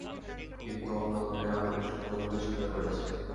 কিন্তু অন্য লোকেরা আমাকে সত্য বলে স্বীকার করেছে।